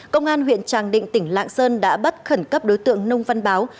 công an huyện tràng định tỉnh lạng sơn đã bắt khẩn cấp đối tượng nông văn báo